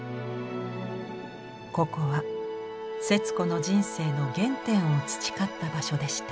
ここは節子の人生の原点を培った場所でした。